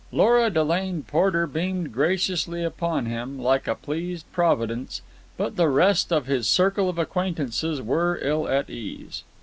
Lora Delane Porter beamed graciously upon him, like a pleased Providence, but the rest of his circle of acquaintances were ill at ease.